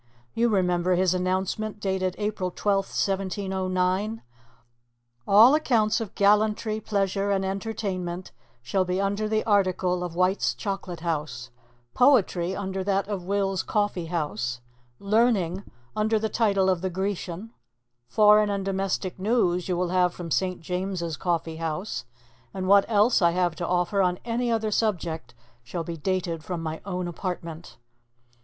You remember his announcement, dated April 12, 1709: All accounts of gallantry, pleasure, and entertainment, shall be under the article of White's Chocolate house; poetry, under that of Will's Coffee house; learning, under the title of The Grecian; foreign and domestic news, you will have from Saint James's Coffee house; and what else I have to offer on any other subject shall be dated from my own apartment.